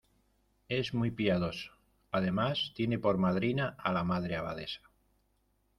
es muy piadoso... además tiene por madrina a la Madre Abadesa .